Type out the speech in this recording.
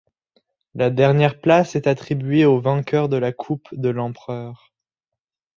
La dernière place est attribuée au vainqueur de la coupe de l'Empereur.